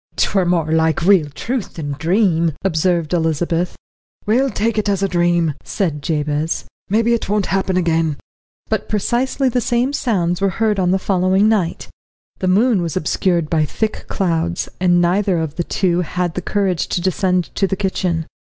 "'Twere more like real truth than dream," observed Elizabeth. "We'll take it as dream," said Jabez. "Mebbe it won't happen again." But precisely the same sounds were heard on the following night. The moon was obscured by thick clouds, and neither of the two had the courage to descend to the kitchen.